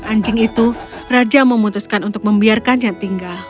ketika anak anjing itu raja memutuskan untuk membiarkan yang tinggal